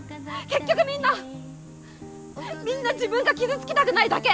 結局みんなみんな自分が傷つきたくないだけ。